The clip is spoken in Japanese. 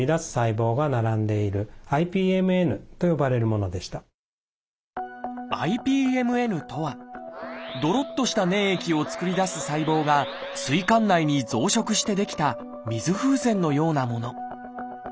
この方の場合は「ＩＰＭＮ」とはどろっとした粘液を作り出す細胞が膵管内に増殖して出来た水風船のようなもの。